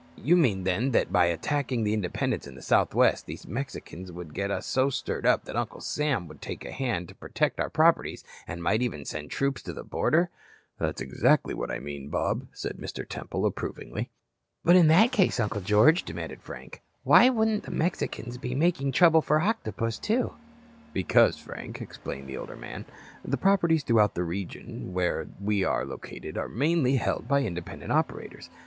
You mean, then, that by attacking the independents in the Southwest these Mexicans would get us so stirred up that Uncle Sam would take a hand to protect our properties, and might even send troops to the border?" "That's exactly what I mean, Bob," said Mr. Temple approvingly. "But in that case, Uncle George," demanded Frank, "why wouldn't the Mexicans be making trouble for the Octopus, too?" "Because, Frank," explained the older man, "the properties throughout the region where we are located are mainly held by independent operators.